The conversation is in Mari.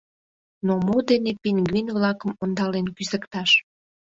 Но мо дене пингвин-влакым ондален кӱзыкташ?